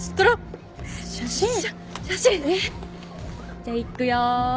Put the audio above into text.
じゃあいっくよ。